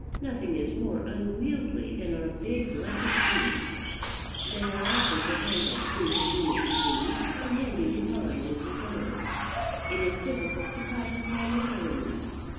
Nothing is more unwieldy than our big blanket sheets: they are awkward to handle, inconvenient to read, unhandy to bind and preserve. It is difficult to classify matter in them.